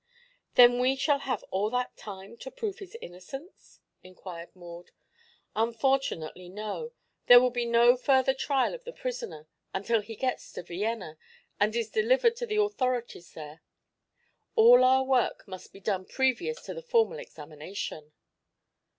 "Then we shall have all that time to prove his innocence?" inquired Maud. "Unfortunately, no. There will be no further trial of the prisoner until he gets to Vienna and is delivered to the authorities there. All our work must be done previous to the formal examination."